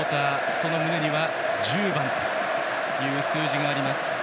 その胸には１０番という数字があります。